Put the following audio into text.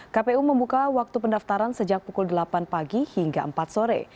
kpu membuka waktu pendaftaran sejak pukul delapan pagi hingga empat sore